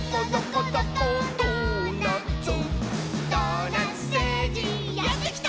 「ドーナツせいじんやってきた！」